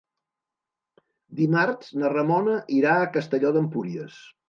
Dimarts na Ramona irà a Castelló d'Empúries.